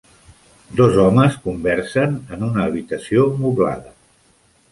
Dos homes conversen en una habitació moblada.